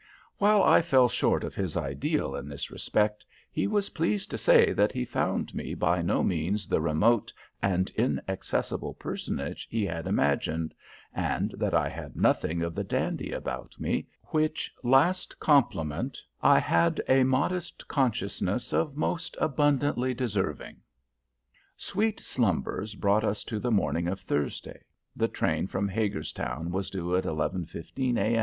While I fell short of his ideal in this respect, he was pleased to say that he found me by no means the remote and inaccessible personage he had imagined, and that I had nothing of the dandy about me, which last compliment I had a modest consciousness of most abundantly deserving. Sweet slumbers brought us to the morning of Thursday. The train from Hagerstown was due at 11.15 A.